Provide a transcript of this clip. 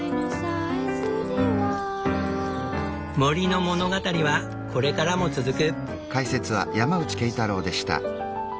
森の物語はこれからも続く。